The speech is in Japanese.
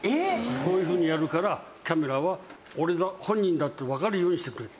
こういうふうにやるからカメラは本人だってわかるようにしてくれって。